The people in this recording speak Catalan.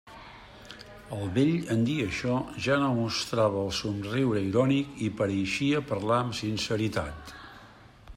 El vell, en dir açò, ja no mostrava el somriure irònic i pareixia parlar amb sinceritat.